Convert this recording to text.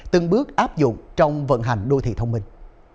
từng bước áp dụng trong vận hành đô thị thông minh